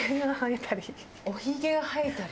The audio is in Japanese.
お髭が生えたり。